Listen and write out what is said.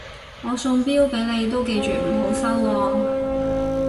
我送錶俾你都記住唔好收喎